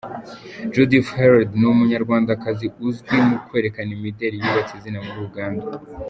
Judith Heard ni Umunyarwandakazi uzwi mu kwerekana imideli, yubatse izina muri Uganda.